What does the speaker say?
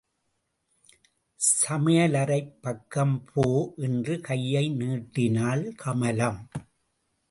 சமயலறைப் பக்கம் போ என்று கையை நீட்டினாள் கமலம்.